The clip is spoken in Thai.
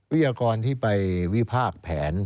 วิธีกรที่ไปวิภาคแผน